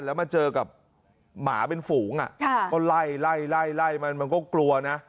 แล้วมาเจอกับหมาเป็นฝูงก็ไล่ไล่มันมันก็กลัวนะ